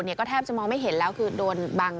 ก็แทบจะมองไม่เห็นแล้วคือโดนบัง